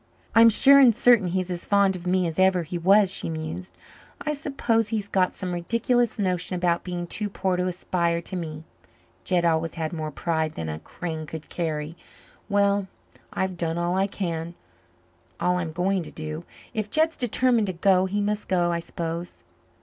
"I'm sure and certain he's as fond of me as ever he was," she mused. "I suppose he's got some ridiculous notion about being too poor to aspire to me. Jed always had more pride than a Crane could carry. Well, I've done all I can all I'm going to do. If Jed's determined to go, he must go, I s'pose."